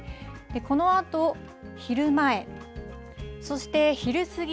このあと昼前、そして昼過ぎ